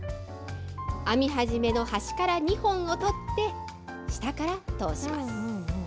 編み始めの端から２本を取って、下から通します。